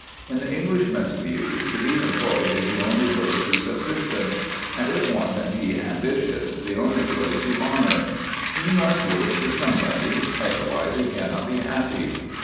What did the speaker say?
In the Englishman's view, to be employed is the only road to subsistence, and, if one be ambitious, the only road to honour. He must work for somebody, otherwise he cannot be happy.